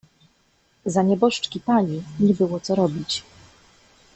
"Za nieboszczki pani, nie było co robić."